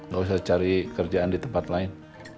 gak usah cari kerjaan di tempat lain